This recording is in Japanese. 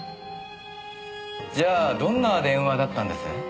じゃあどんな電話だったんです？